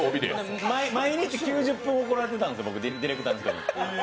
毎日９０分怒られてたんですよ、ディレクターに。